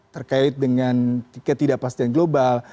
terkait dengan tiket tidak pas dan global